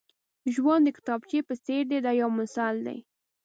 ژوند د کتابچې په څېر دی دا یو مثال دی.